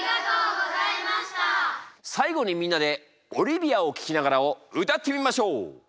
最後にみんなで「オリビアを聴きながら」を歌ってみましょう！